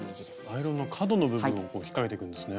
アイロンの角の部分を引っ掛けていくんですね。